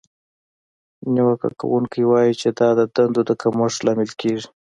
نیوکه کوونکې وایي چې دا د دندو د کمښت لامل کیږي.